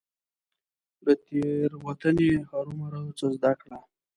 له تيروتني هرمروه څه زده کړه .